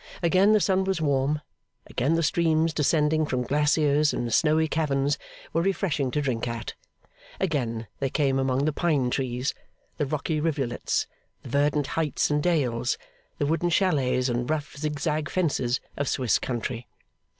Again the sun was warm, again the streams descending from glaciers and snowy caverns were refreshing to drink at, again they came among the pine trees, the rocky rivulets, the verdant heights and dales, the wooden chalets and rough zigzag fences of Swiss country.